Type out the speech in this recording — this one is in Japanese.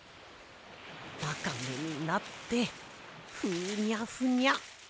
「わかめになってふにゃふにゃ」